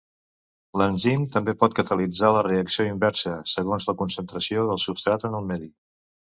L'enzim també pot catalitzar la reacció inversa, segons la concentració de substrat en el medi.